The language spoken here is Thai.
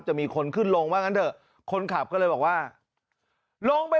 จะมีคนขึ้นลงว่างั้นเถอะคนขับก็เลยบอกว่าลงไป